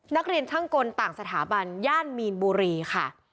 นักเรียนช่างกลต่างสถาบันย่านมีนบุรีค่ะ